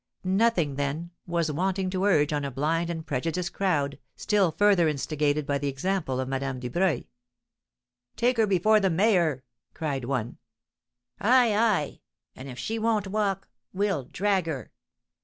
Nothing, then, was wanting to urge on a blind and prejudiced crowd, still further instigated by the example of Madame Dubreuil. "Take her before the mayor!" cried one. "Ay, ay! and, if she won't walk, we'll drag her."